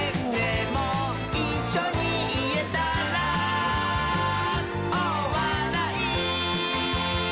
「いっしょにいえたら」「おおわらい」